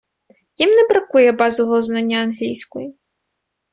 їм не бракує базового знання англійської